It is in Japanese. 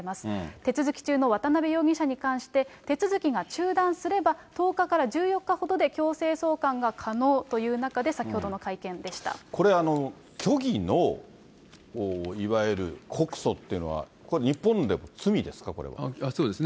手続き中の渡辺容疑者に関して、手続きが中断すれば、１０日から１４日ほどで強制送還が可能という中で、これ、虚偽のいわゆる、告訴っていうのは、これ、そうですね。